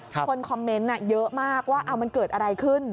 คนคอมเมนต์เยอะมากว่ามันเกิดอะไรขึ้น